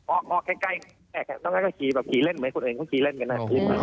ออกใกล้แล้วก็ขี่แบบขี่เล่นไหมคนอื่นก็ขี่เล่นกันนะ